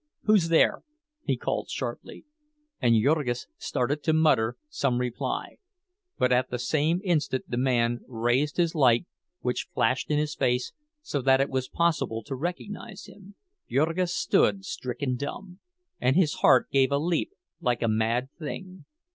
"Who's there?" he called sharply. And Jurgis started to mutter some reply; but at the same instant the man raised his light, which flashed in his face, so that it was possible to recognize him. Jurgis stood stricken dumb, and his heart gave a leap like a mad thing.